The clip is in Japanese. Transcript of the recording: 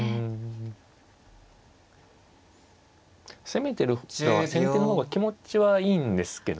攻めてるうちは先手の方が気持ちはいいんですけどね。